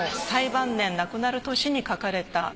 最晩年亡くなる年に描かれた。